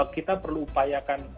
kita perlu upayakan